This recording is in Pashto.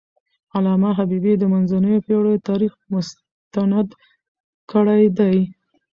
علامه حبيبي د منځنیو پېړیو تاریخ مستند کړی دی.